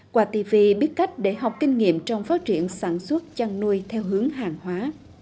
quả tivi biết cách để học kinh nghiệm trong phát triển sản xuất chăn nuôi theo hướng hàng hóa